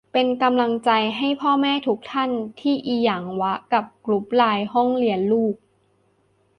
เป็นกำลังใจให้พ่อแม่ทุกท่านที่อิหยังวะกับกรุ๊ปไลน์ห้องเรียนลูก